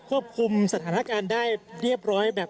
ควบคุมสถานการณ์ได้เรียบร้อยแบบ